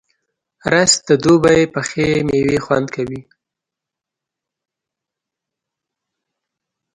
رس د دوبی پخې میوې خوند دی